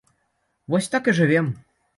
Вось так і жывём.